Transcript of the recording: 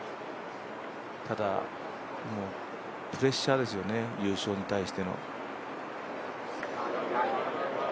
ただ、もうプレッシャーですよね、優勝に対しての。